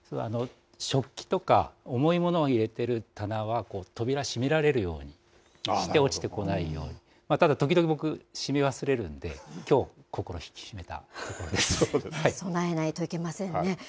食器とか重いものを入れている棚は扉、閉められるようにして落ちてこないようにただ、時々僕、閉め忘れるんで備えないといけませんね。